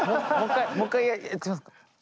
もう一回やってみますか。